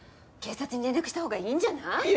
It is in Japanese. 警察に連絡したほうがいいんじゃない？